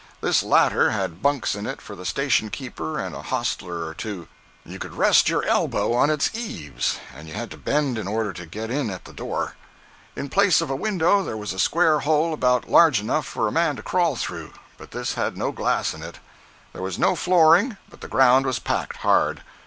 This latter had bunks in it for the station keeper and a hostler or two. You could rest your elbow on its eaves, and you had to bend in order to get in at the door. In place of a window there was a square hole about large enough for a man to crawl through, but this had no glass in it. There was no flooring, but the ground was packed hard.